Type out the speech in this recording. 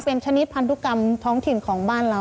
เป็นชนิดพันธุกรรมท้องถิ่นของบ้านเรา